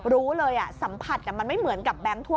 รู้เลยอะสัมผัสอะมันไม่เหมือนกับค่ะ